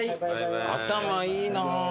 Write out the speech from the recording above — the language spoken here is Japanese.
頭いいな。